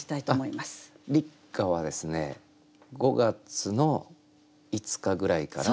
立夏はですね５月の５日ぐらいから。